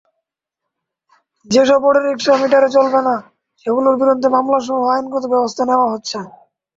যেসব অটোরিকশা মিটারে চলবে না, সেগুলোর বিরুদ্ধে মামলাসহ আইনগত ব্যবস্থা নেওয়া হচ্ছে।